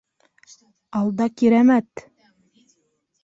Алда Кирәмәт.